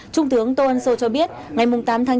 trung tướng tôn sô cho biết ngày tám tháng chín